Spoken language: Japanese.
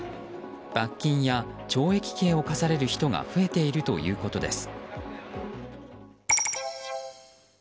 罰金や懲役刑を科される人が増えているということです。